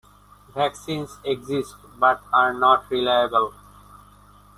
Vaccines exist but are not reliable.